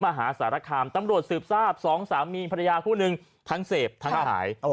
มหาสารคามตำรวจสืบทราบสองสามีภรรยาคู่นึงทั้งเสพทั้งหาย